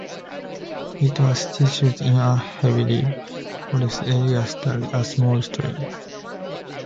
It was situated in a heavily forested area astride a small stream.